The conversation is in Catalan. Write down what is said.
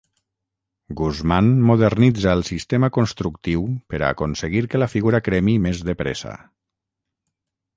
Guzmán modernitza el sistema constructiu per aconseguir que la figura cremi més de pressa.